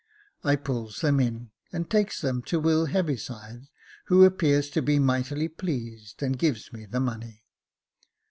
I pulls them in, and takes them to Will Heaviside, who appears to be mightily pleased, and gives me the money.